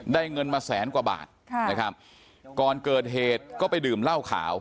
เงินมาแสนกว่าบาทค่ะนะครับก่อนเกิดเหตุก็ไปดื่มเหล้าขาว